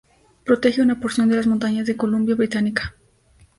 Protege una porción de las montañas de Columbia Británica.